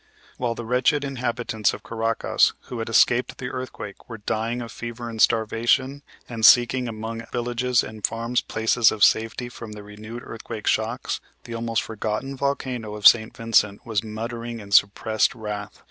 While the wretched inhabitants of Caracas who had escaped the earthquake were dying of fever and starvation, and seeking among villages and farms places of safety from the renewed earthquake shocks, the almost forgotten volcano of St. Vincent was muttering in suppressed wrath.